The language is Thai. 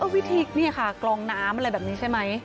วิธีนี่ค่ะกลองน้ำอะไรแบบนี้ใช่ไหม